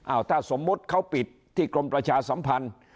ถ้าสมมุติเขาปิดที่กรมประชาสัมพันธ์